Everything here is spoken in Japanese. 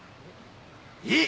いい！